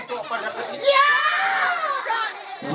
begitu apa deket ini